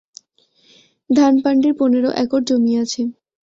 ধানপান্ডির পনের একর জমি আছে।